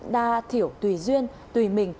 đa thiểu tùy duyên tùy mình